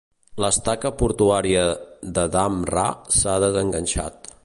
L'estaca portuària de Dhamra s'ha desenganxat.